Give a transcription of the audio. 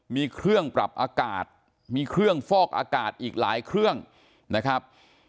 มีเครื่องปรับอากาศมีเครื่องฟอกอากาศอีกหลายเครื่องนะครับ